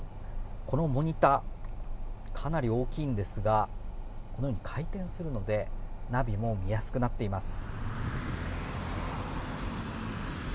このモニター、かなり大きいんですがこのように回転するのでナビも見やすくなっています。